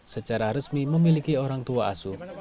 secara resmi memiliki orang tua asuh